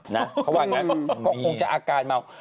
นั่นก็คงจะอาการเมา